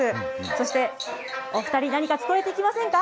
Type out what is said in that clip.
そして、お２人、何か聞こえてきませんか？